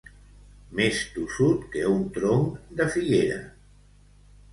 Més tossut que un tronc de figuera.